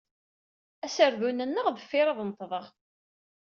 Aserdun nneɣ, deffir ad neṭḍeɣ.